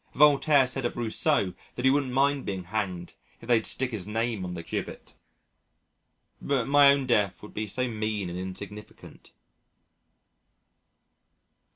Voltaire said of Rousseau that he wouldn't mind being hanged if they'd stick his name on the gibbet. But my own death would be so mean and insignificant.